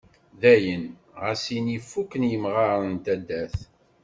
Dayen, ɣas ini fukken imɣaren n taddart.